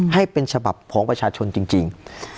ให้เป็นฉบับของประชาชนจริง